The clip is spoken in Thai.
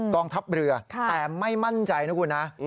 กองทัพเรือแต่ไม่มั่นใจนะคุณนะ